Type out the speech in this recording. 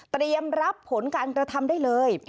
เตรียมรับผลการกระทำได้เลย